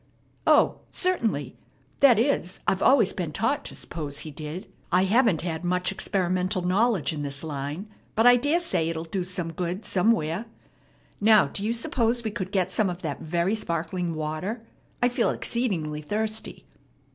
'" "O, certainly! That is, I've always been taught to suppose He did. I haven't much experimental knowledge in this line, but I dare say it'll do some good some where. Now do you suppose we could get some of that very sparkling water? I feel exceedingly thirsty."